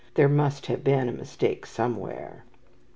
"There must have been a mistake somewhere."